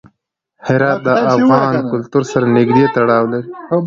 هرات د افغان کلتور سره نږدې تړاو لري.